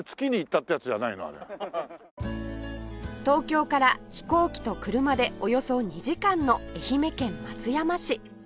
東京から飛行機と車でおよそ２時間の愛媛県松山市